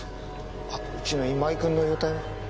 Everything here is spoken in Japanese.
あうちの今井君の容体は？